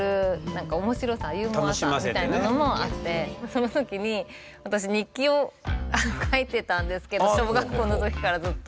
その時に私日記を書いてたんですけど小学校の時からずっと。